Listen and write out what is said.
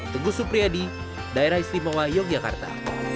teguh supriyadi daerah istimewa yogyakarta